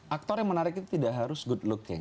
aktor yang menarik itu tidak harus good looking